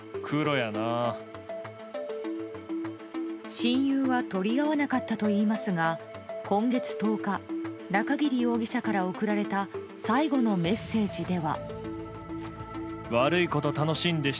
親友は取り合わなかったといいますが今月１０日、中桐容疑者から送られた最後のメッセージでは。